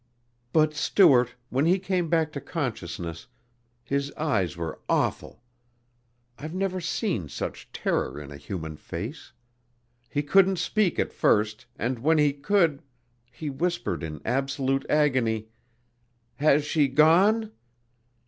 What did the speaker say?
"But, Stuart, when he came back to consciousness, his eyes were awful! I've never seen such terror in a human face. He couldn't speak at first and when he could ... he whispered in absolute agony, 'Has she gone?'